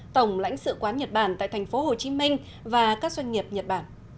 tổng lãnh sự quán nhật bản tại thành phố hồ chí minh và các doanh nghiệp nhật bản